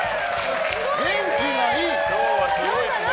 元気がいい！